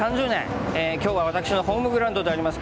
今日は私のホームグラウンドであります